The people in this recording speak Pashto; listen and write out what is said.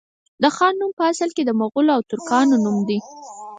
د خان نوم په اصل کي د مغولو او ترکانو نوم دی